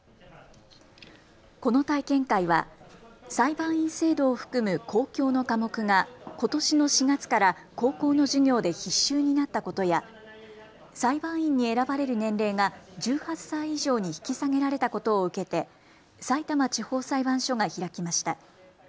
この体験会は裁判員制度を含む公共の科目がことしの４月から高校の授業で必修になったことや裁判員に選ばれる年齢が１８歳以上に引き下げられたことを受けてさいたま地方裁判所が開きました。